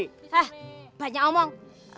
hah banyak omong